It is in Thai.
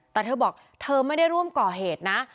แต่เธอบอกเธอไม่ได้ร่วมก่อเหตุนะ